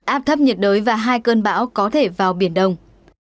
áp thấp nhiệt đới và hai cơn bão có thể vào biển đông